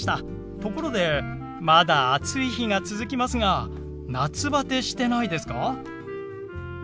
ところでまだ暑い日が続きますが夏バテしてないですか？